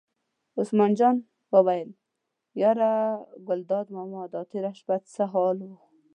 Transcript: عثمان جان وویل: یاره ګلداد ماما دا تېره شپه څه حال و.